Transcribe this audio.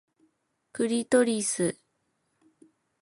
クリトリス